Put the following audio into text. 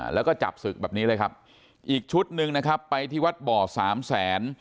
แล้วก็จับศึกแบบนี้เลยครับอีกชุดหนึ่งนะครับไปที่วัดบ่อสามแสน